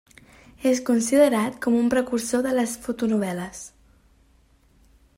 És considerat com un precursor de les fotonovel·les.